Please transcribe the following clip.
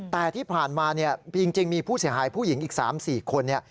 แต่ที่ผ่านมาเนี่ยจริงมีผู้เสียหายผู้หญิงอีก๓๔คน